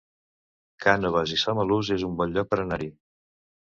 Cànoves i Samalús es un bon lloc per anar-hi